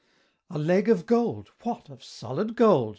"A leg of gold! what, of solid gold?"